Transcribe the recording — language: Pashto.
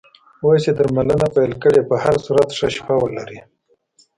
اوس یې درملنه پیل کړې، په هر صورت ښه شپه ولرې.